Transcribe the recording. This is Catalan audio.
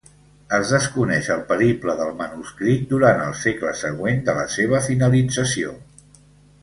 Es desconeix el periple del manuscrit durant el segle següent de la seva finalització.